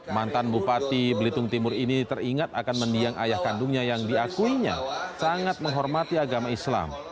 mantan bupati belitung timur ini teringat akan mendiang ayah kandungnya yang diakuinya sangat menghormati agama islam